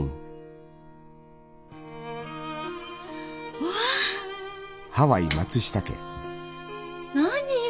うわ！何よ！